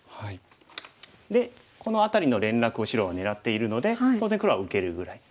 でこの辺りの連絡を白は狙っているので当然黒は受けるぐらい。